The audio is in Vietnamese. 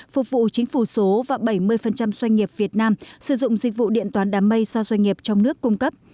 phục vụ chính phủ số và bảy mươi doanh nghiệp việt nam sử dụng dịch vụ điện toán đám mây do doanh nghiệp trong nước cung cấp